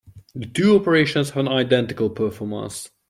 The two operations have an identical performance.